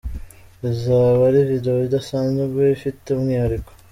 Izaba ari videwo idasanzwe, ifite umwihariko.